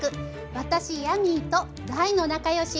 私ヤミーと大の仲よし。